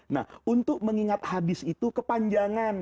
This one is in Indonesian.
nah untuk mengingat hadis itu kepanjangan